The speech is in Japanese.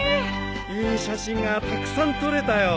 いい写真がたくさん撮れたよ。